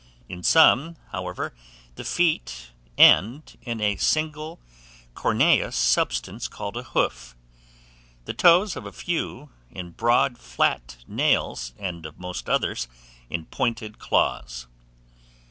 In some, however, the feet end in a single corneous substance called a hoof. The toes of a few end in broad, flat nails, and of most others, in pointed claws.